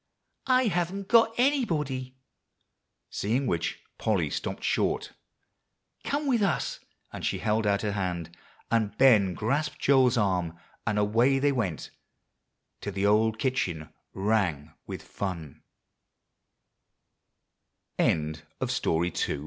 "I haven't got anybody," seeing which Polly stopped short. "Come with us;" and she held out her hand, and Ben grasped Joel's arm, and away they went till the old kitchen rang with the f